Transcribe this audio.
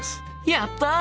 やった！